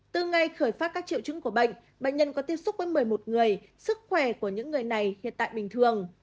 từ ngày khởi phát các triệu chứng của bệnh bệnh nhân có tiếp xúc với một mươi một người sức khỏe của những người này hiện tại bình thường